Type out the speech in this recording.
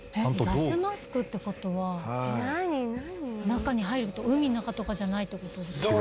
ガスマスクって事は中に入ると海の中とかじゃないって事ですよね？」